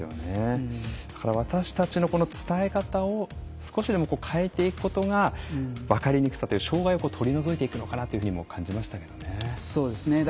私たちの伝え方を少しでも変えていくことが分かりにくさという障害を取り除いていくのかなと感じましたよね。